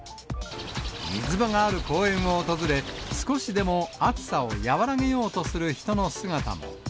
水場がある公園を訪れ、少しでも暑さを和らげようとする人の姿も。